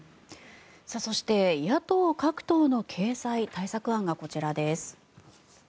そして野党各党の経済対策案がこちらです。